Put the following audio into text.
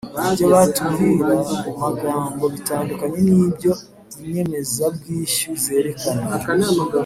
Ibyo batubwira mu magambo bitandukanye nibyo Inyemezabwishyu zerekana